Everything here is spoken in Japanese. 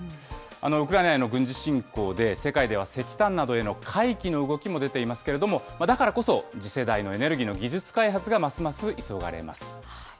ウクライナへの軍事侵攻で、世界では石炭などへの回帰の動きも出ていますけれども、だからこそ、次世代のエネルギーの技術開発がますます急がれます。